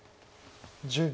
１０秒。